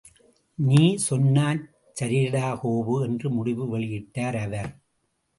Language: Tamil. நீ சொன்னாச் சரிடா கோபு! என்று முடிவு வெளியிட்டார் அவர்.